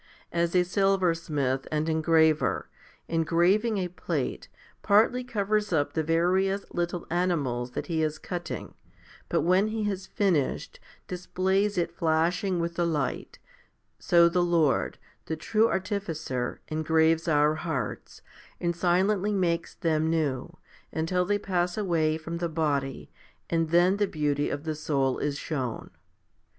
As a silversmith and engraver, engraving a plate, partly covers up the various little animals that he is cutting, but when he has finished, displays it flashing with the light, so the Lord, the true artificer, engraves our hearts, i.3$ FIFTY SPIRITUAL HOMILIES and silently makes them new, until they pass away from the body, and then the beauty of the soul is shown.